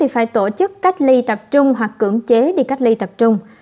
phải tổ chức cách ly tập trung hoặc cưỡng chế đi cách ly tập trung